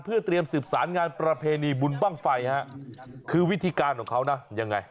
เพื่อเตรียมสืบสารงานประเพณีบุญบ้างไฟฮะคือวิธีการของเขานะยังไง